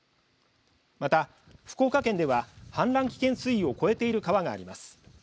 また福岡県では氾濫危険水位を超えている川があります。